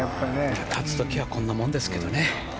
勝つ時はこんなもんですけどね。